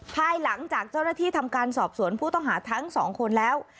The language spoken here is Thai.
ภายหลังจากเจ้าหน้าที่ทำการสอบสวนผู้ต้องหาทั้งสองคนแล้ว